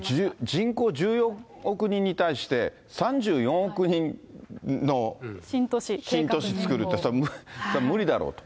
人口１４億人に対して３４億人の新都市作るって、それは無理だろうと。